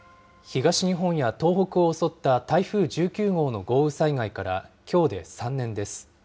東日本や東北を襲った台風１９号の豪雨災害からきょうで３年です。